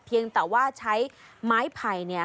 เพียงแต่ว่าใช้ไม้ไผ่